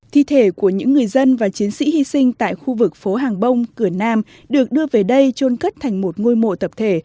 thi thể của những người dân và chiến sĩ hy sinh tại khu vực phố hàng bông cửa nam được đưa về đây trôn cất thành một ngôi mộ tập thể